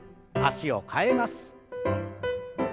脚を替えます。